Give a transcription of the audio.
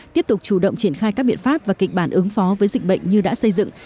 tiếp tục chủ động triển khai các biện pháp và kịch bản ứng phó với dịch bệnh như đã xây dựng